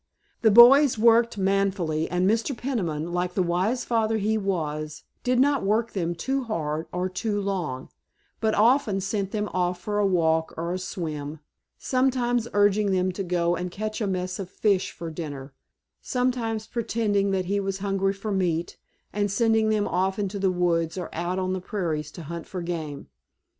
The boys worked manfully, and Mr. Peniman, like the wise father he was, did not work them too hard or too long, but often sent them off for a walk or a swim, sometimes urging them to go and catch a mess of fish for dinner, sometimes pretending that he was hungry for meat and sending them off into the woods or out on the prairies to hunt for game.